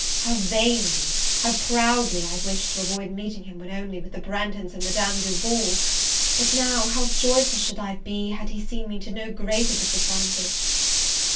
How vainly, how proudly have I wished to avoid meeting him when only with the Branghtons and Madame Duval; but now, how joyful should I be had he seen me to no greater disadvantage!